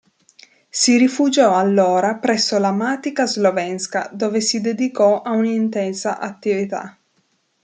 Si rifugiò allora presso la Matica slovenská, dove si dedicò a un'intensa attività.